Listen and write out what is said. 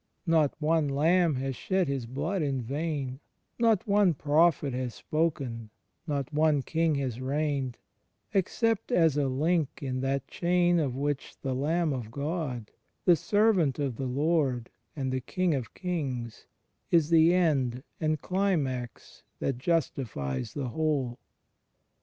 Not one Iamb has shed his blood in vain, not one prophet has spoken, not one king has reigned, except as a link in that chain of which the Lamb of God, the Servant of the Lord, and the King of Kings, is the end and the climax that justifies the whole.